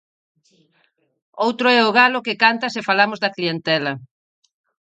Outro é o galo que canta se falamos da clientela.